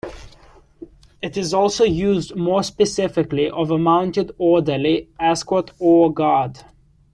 It is also used more specifically of a mounted orderly, escort or guard.